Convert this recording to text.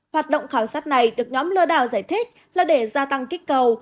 hoạt động khảo sát này được nhóm lừa đảo giải thích là để gia tăng kích cầu